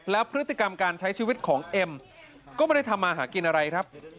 แล้วพฤติกรรมการใช้ชีวิตของเอ็มก็ไม่ได้ทำมาหากินอะไรครับ